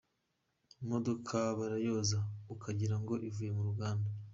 Imodoka barayoza ukagira ngo ivuye mu ruganda.